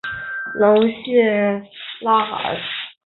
勒谢拉尔。